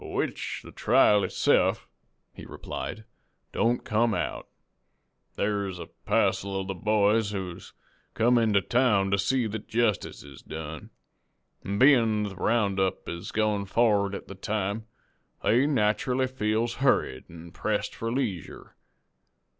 "Which the trial itse'f," he replied, "don't come out. Thar's a passel of the boys who's come into town to see that jestice is done, an' bein' the round up is goin' for'ard at the time, they nacherally feels hurried an' pressed for leesure.